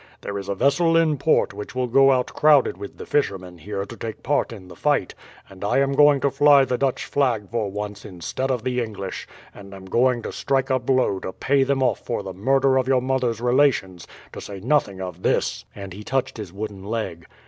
There is a vessel in port which will go out crowded with the fishermen here to take part in the fight; and I am going to fly the Dutch flag for once instead of the English, and am going to strike a blow to pay them off for the murder of your mother's relations, to say nothing of this," and he touched his wooden leg.